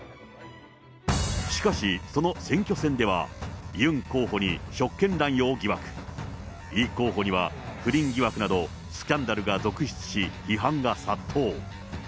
しかし、その選挙戦ではユン候補に職権乱用疑惑、イ候補には不倫疑惑など、スキャンダルが続出し、批判が殺到。